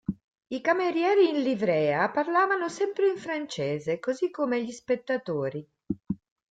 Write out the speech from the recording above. I camerieri in livrea parlavano sempre in francese, così come gli spettatori.